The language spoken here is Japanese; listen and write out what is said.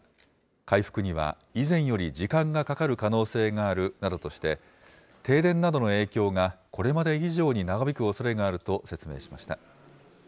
回復には以前より時間がかかる可能性があるなどとして、停電などの影響がこれまで以上に長引くおそれがあると説明しました。